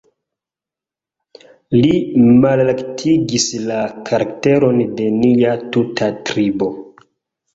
Li malaltigis la karakteron de nia tuta tribo.